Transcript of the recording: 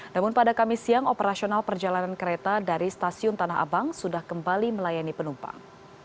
namun pada kamis siang operasional perjalanan kereta dari stasiun tanah abang sudah kembali melayani penumpang